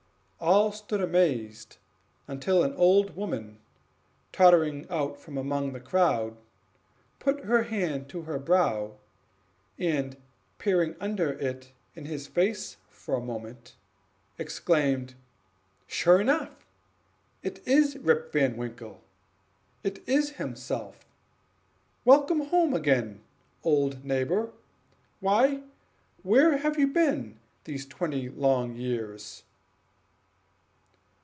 All stood amazed, until an old woman, tottering out from among the crowd, put her hand to her brow, and peering under it in his face for a moment, exclaimed, "Sure enough it is Rip Van Winkle it is himself! Welcome home again, old neighbor Why, where have you been these twenty long years?"